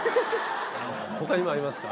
他にもありますか？